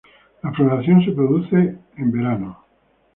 La floración se produce el verano.